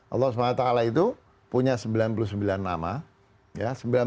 allah swt itu punya sembilan puluh sembilan nama